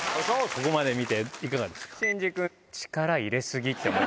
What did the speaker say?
ここまで見ていかがですか？